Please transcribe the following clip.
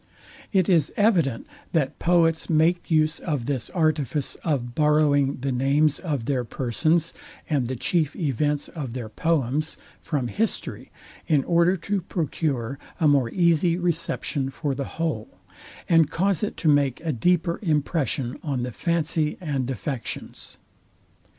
It is evident, that poets make use of this artifice of borrowing the names of their persons, and the chief events of their poems, from history, in order to procure a more easy reception for the whole, and cause it to make a deeper impression on the fancy and affections.